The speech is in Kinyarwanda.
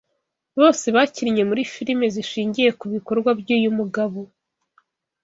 bose bakinnye muri firime zishingiye kubikorwa byuyu mugabo